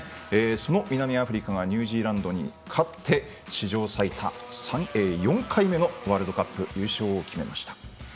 その南アフリカがニュージーランドに勝って史上最多４回目のワールドカップ優勝を決めました。